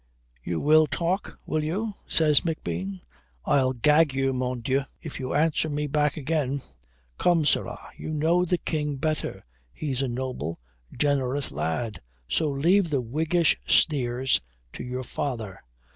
"You will talk, will you?" says McBean. "I'll gag you, mordieu, if you answer me back again. Come, sirrah, you know the King better. It's a noble, generous lad. So leave the Whiggish sneers to your father.